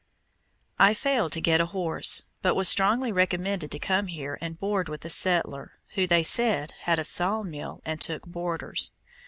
I failed to get a horse, but was strongly recommended to come here and board with a settler, who, they said, had a saw mill and took boarders.